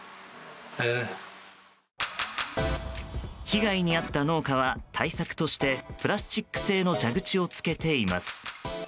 被害に遭った農家は対策としてプラスチック製の蛇口をつけています。